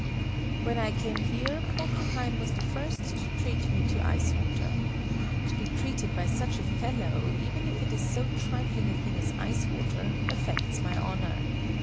When I came here, Porcupine was the first to treat me to ice water. To be treated by such a fellow, even if it is so trifling a thing as ice water, affects my honor.